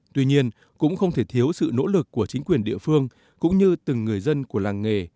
tuy nhiên cũng không thể thiếu sự nỗ lực của chính quyền địa phương cũng như từng người dân của làng nghề